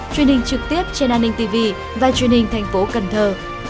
truyền hình trực tiếp trên an ninh tv và truyền hình thành phố cần thơ